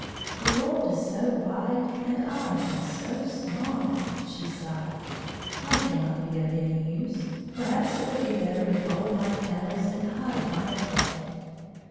"The world is so wide, and I am so small," she sighed. "I cannot be of any use. Perhaps it would be better to fold my petals and hide my head."